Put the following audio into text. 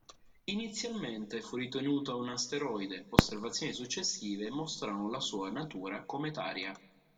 Inizialmente fu ritenuta un asteroide, osservazioni successive mostrarono la sua natura cometaria.